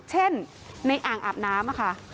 เช่นในอ่างอาบน้ำค่ะ